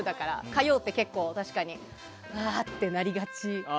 火曜って結構、確かにあーってなりがち。